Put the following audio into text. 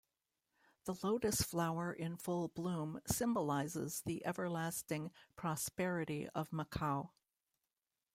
The lotus flower in full bloom symbolises the everlasting prosperity of Macau.